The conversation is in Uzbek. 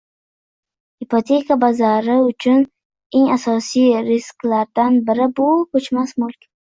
Ipoteka bozori uchun eng asosiy risklardan biri bu koʻchmas mulk